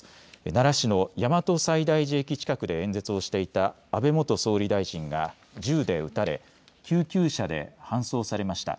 奈良市の大和西大寺駅近くで演説をしていた安倍元総理大臣が銃で撃たれ救急車で搬送されました。